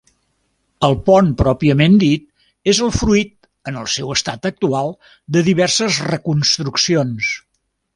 El pont pròpiament dit és el fruit, en el seu estat actual, de diverses reconstruccions.